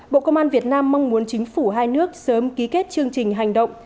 bộ công an việt nam mong muốn chính phủ hai nước sớm ký kết chương trình hành động